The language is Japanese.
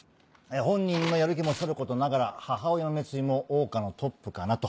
本人のやる気もさることながら母親の熱意も桜花のトップかなと。